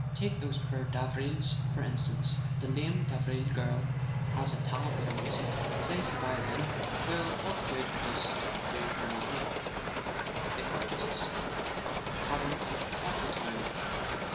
Take those poor Davrils, for instance. The lame Davril girl has a talent for music: plays the violin. Well, what good does it do her now? The artists are having an awful time.